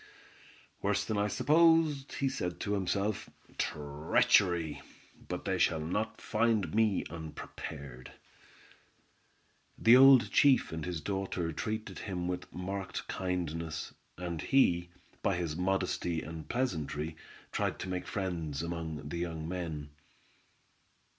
"Worse than I supposed," he said to himself; "treachery! but they shall not find me unprepared!" The old chief and his daughter treated him with marked kindness, and he, by his modesty and pleasantry, tried to make friends among the young men.